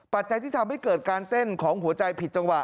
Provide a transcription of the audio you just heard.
ปัจจัยที่ทำให้เกิดการเต้นของหัวใจผิดจังหวะ